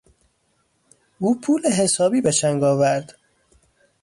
او پول حسابی به چنگ آورد.